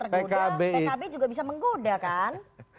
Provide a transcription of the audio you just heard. tergoda pkb juga bisa menggoda kan